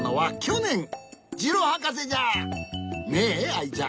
ねえアイちゃん。